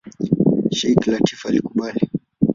Sheikh Lateef alikubali.